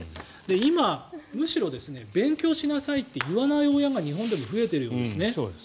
今、むしろ勉強しなさいって言わない親が日本でも増えているようですね。